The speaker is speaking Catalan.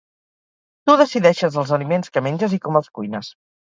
Tu decideixes els aliments que menges i com els cuines.